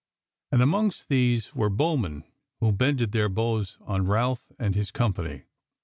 And amongst these were bowmen who bended their bows on Ralph and his company.